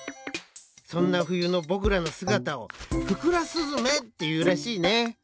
そんなふゆのぼくらのすがたを「ふくらすずめ」っていうらしいね。